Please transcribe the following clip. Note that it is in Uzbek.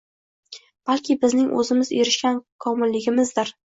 — balki bizning o‘zimiz erishgan komilligimizdir.